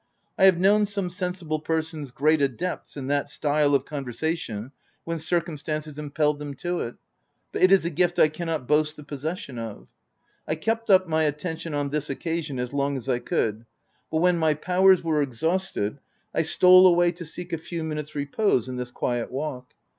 I have known some sensible persons great adepts in that style of conversa tion, when circumstances impelled them to it ; but it is a gift I cannot boast the possession of. I kept up my attention, on this occasion, as long as I could, but when my powers were exhausted, I stole away, to seek a few r minutes repose in this quiet walk.